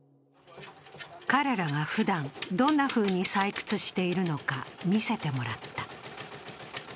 彼らがふだん、どんなふうに採掘しているのか見せてもらった。